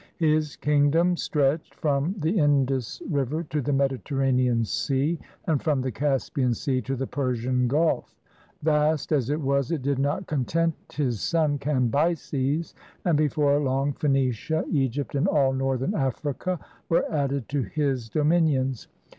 His kingdom stretched from the Indus River to the Mediterranean Sea, and from the Caspian Sea to the Persian Gulf. Vast as it was, it did not content his son Cambyses, and before long Phoenicia, Egypt, and all northern Africa were added to his dominions.